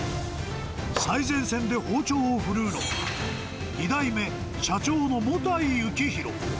最前線で包丁を振るうのは、２代目社長のもたいゆきひろ。